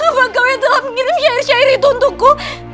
apakah kau yang telah mengirim syair syair itu untukku